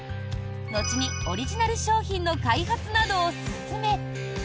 後にオリジナル商品の開発などを進め。